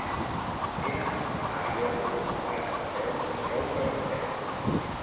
He d'anar a Aielo de Rugat a peu dijous a les set.